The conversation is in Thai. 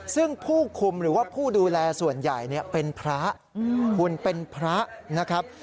ซึ่งผู้คุมหรือว่าผู้ดูแลส่วนใหญ่เป็นพระคุณเป็นพระนะครับ